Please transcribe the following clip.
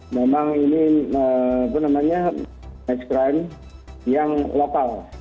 memang ini apa namanya mass crime yang lokal